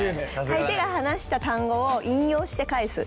相手が話した単語を引用して返す。